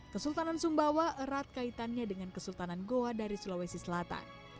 kesultanan sumbawa erat kaitannya dengan kesultanan goa dari sulawesi selatan